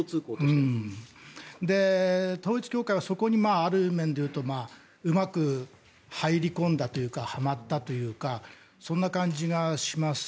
それで、統一教会はそこである面でいうとうまく入り込んだというかはまったというかそんな感じがします。